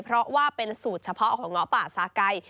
เพราะว่าเป็นสูตรเฉพาะของง้อป่าสาไก่